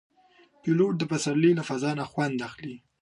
پیلوټ د پسرلي له فضا نه خوند اخلي.